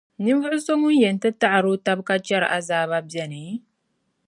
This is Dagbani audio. Ninvuɣu so ŋun yɛn ti taɣiri o taba ka chɛri azaaba beni?